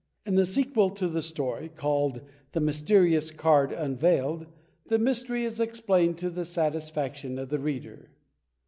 In the sequel to the story, called "The Mysterious Card Unveiled" the mysteiy is explained to the satisfaction of the reader.